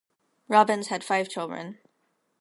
Robbins had five children.